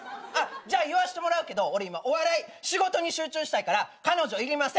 じゃあ言わしてもらうけど俺今お笑い仕事に集中したいから彼女いりません。